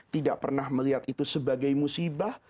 tidak pernah melihat itu sebagai musibah